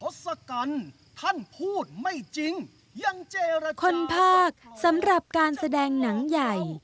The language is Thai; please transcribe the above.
ศกัณฐ์ท่านพูดไม่จริงยังเจรคนภาคสำหรับการแสดงหนังใหญ่